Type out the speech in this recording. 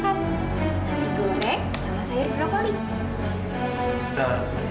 kasih goreng sama sayur brokoli